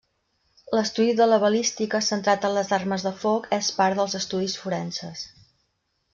L'estudi de la balística centrat en les armes de foc és part dels estudis forenses.